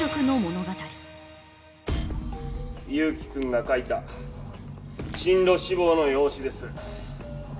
勇気君が書いた進路志望の用紙です。